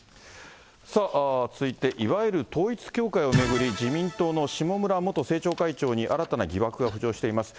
続いていわゆる統一教会を巡り、自民党の下村元政調会長に新たな疑惑が浮上しています。